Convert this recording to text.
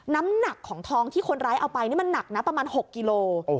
น้ำหนักของทองที่คนร้ายเอาไปนี่มันหนักนะประมาณ๖กิโล